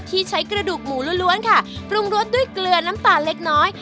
ใช้กระดูกหมูล้วนค่ะปรุงรสด้วยเกลือน้ำตาลเล็กน้อย